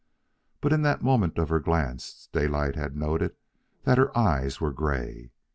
But in that moment of her glance Daylight had noted that her eyes were gray.